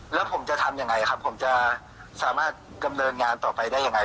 แล้วผมจะทำยังไงครับผมจะสามารถดำเนินงานต่อไปได้ยังไง